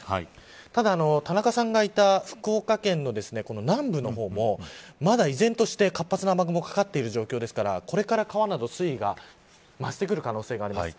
ただ、田中さんがいた福岡県の南部の方もまだ依然として活発な雨雲がかかっている状況ですからこれから川など水位が増してくる可能性があります。